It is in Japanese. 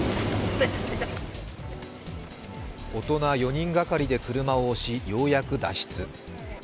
大人４人がかりで車を押しようやく脱出。